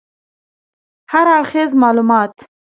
هراړخیز معلومات